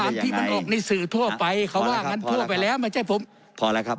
ที่มันออกในสื่อทั่วไปเขาว่างั้นทั่วไปแล้วไม่ใช่ผมพอแล้วครับ